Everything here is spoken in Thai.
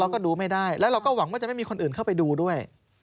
ก็ดูไม่ได้แล้วเราก็หวังว่าจะไม่มีคนอื่นเข้าไปดูด้วย